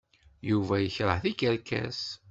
Yuba yekṛeh tikerkas.